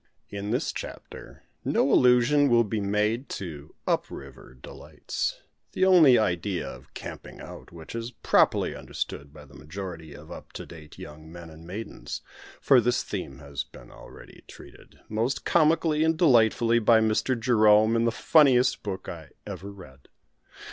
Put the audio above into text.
In this chapter no allusion will be made to "up river" delights, the only idea of "camping out" which is properly understood by the majority of "up to date" young men and maidens; for this theme has been already treated, most comically and delightfully, by Mr. Jerome, in the funniest book I ever read.